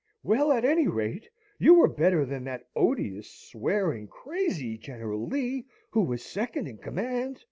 "Well, at any rate, you were better than that odious, swearing, crazy General Lee, who was second in command!"